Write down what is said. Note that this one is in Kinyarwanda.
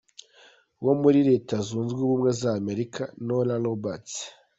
wo muri Leta Zunze Ubumwe za Amerika, Nora Roberts.